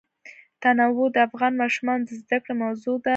تنوع د افغان ماشومانو د زده کړې موضوع ده.